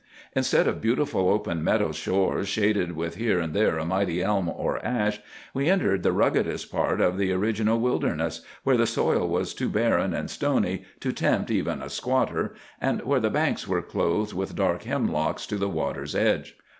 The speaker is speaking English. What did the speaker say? Instead of beautiful open meadow shores shaded with here and there a mighty elm or ash, we entered the ruggedest parts of the original wilderness, where the soil was too barren and stony to tempt even a squatter, and where the banks were clothed with dark hemlocks to the water's edge.